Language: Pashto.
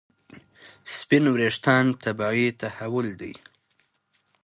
سپین وریښتان طبیعي تحول دی.